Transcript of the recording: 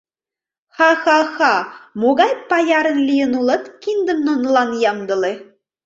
Ха-ха-ха, могай паярын лийын улыт, киндым нунылан ямдыле...